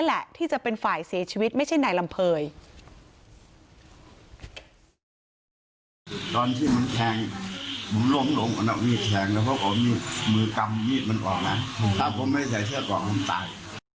มือกำยีดมันออกนะถ้าผมไม่ใช้เทือกองมันตาย